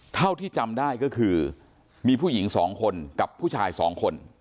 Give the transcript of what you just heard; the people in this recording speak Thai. เท่าที่จำได้ก็คือมีผู้หญิง๒คนกับผู้ชาย๒คน